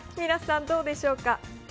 皆さん、どうでしょうか？